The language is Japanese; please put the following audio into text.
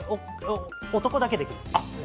男だけできる。